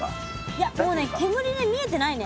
いやもうね煙で見えてないね。